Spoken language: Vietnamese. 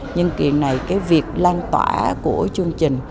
nhưng kỳ này cái việc lan tỏa của chương trình